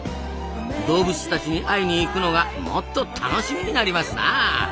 動物たちに会いに行くのがもっと楽しみになりますなあ。